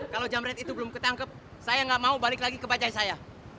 kalau jamret itu belum ketangkep saya nggak mau balik lagi ke bajai saya